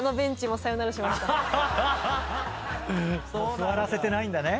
もう座らせてないんだね。